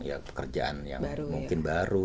ya pekerjaan yang mungkin baru